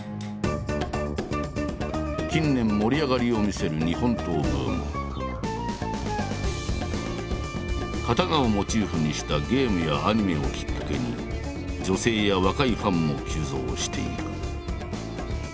近年盛り上がりを見せる刀をモチーフにしたゲームやアニメをきっかけに女性や若いファンも急増している。